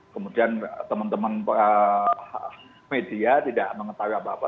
kemudian teman teman media tidak mengetahui apa apa